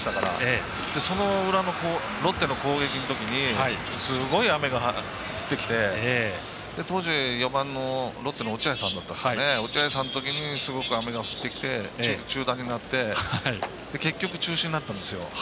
その裏のロッテの攻撃のときにすごき雨が降ってきて当時、４番のロッテの落合さんのときにすごく雨が降ってきて中断になって結局、中止になったんですよ。